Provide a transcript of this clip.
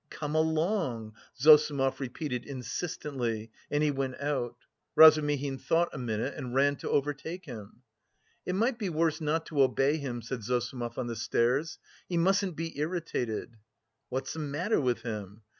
"Come along," Zossimov repeated insistently, and he went out. Razumihin thought a minute and ran to overtake him. "It might be worse not to obey him," said Zossimov on the stairs. "He mustn't be irritated." "What's the matter with him?"